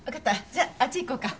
じゃああっち行こうか。